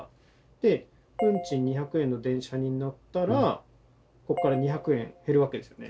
で運賃２００円の電車に乗ったらここから２００円減るわけですよね？